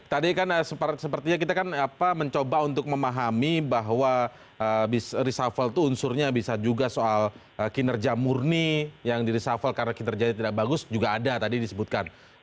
tadi kan sepertinya kita kan mencoba untuk memahami bahwa reshuffle itu unsurnya bisa juga soal kinerja murni yang di reshuffle karena kinerjanya tidak bagus juga ada tadi disebutkan